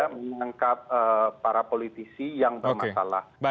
menangkap para politisi yang bermasalah